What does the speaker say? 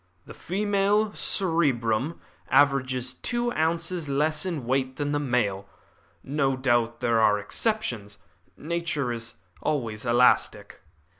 "The female cerebrum averages two ounces less in weight than the male. No doubt there are exceptions. Nature is always elastic."